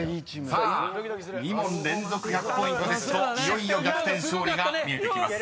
［さあ２問連続１００ポイントですといよいよ逆転勝利が見えてきます］